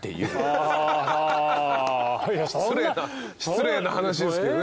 失礼な話ですけどね。